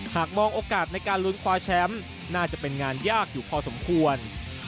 หากมองโอกาสในการลุ้นคว้าแชมป์น่าจะเป็นงานยากอยู่พอสมควร